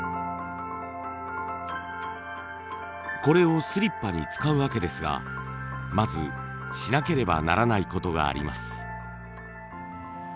これをスリッパに使うわけですがまずしなければならないことがあります。